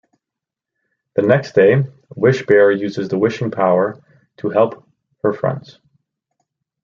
The next day, Wish Bear uses the wishing power to help her friends.